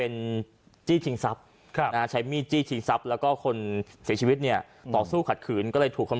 น่ะใช้มีนจี้ทิ้งทรัพย์แล้วก็คนเสียชีวิตต่อสู้ขัดขืนก็ถูกคน